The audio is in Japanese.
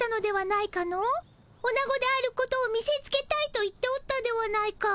オナゴであることを見せつけたいと言っておったではないか。